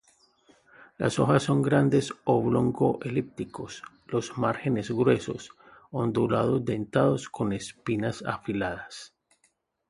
Las hojas son grandes, oblongo-elípticos, los márgenes gruesos, ondulado-dentados con espinas afiladas.